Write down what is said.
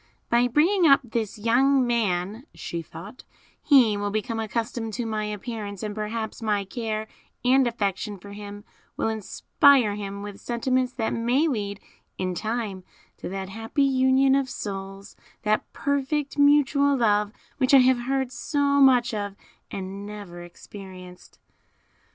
"By bringing up this young man," she thought, "he will become accustomed to my appearance, and perhaps my care and affection for him will inspire him with sentiments that may lead in time to that happy union of souls, that perfect mutual love, which I have heard so much of and never experienced."